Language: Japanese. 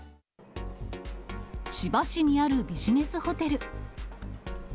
千葉市にあるビジネスホテル。